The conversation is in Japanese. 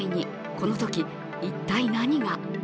このとき、一体何が？